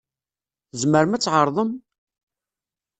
Tzemrem ad tɛerḍem?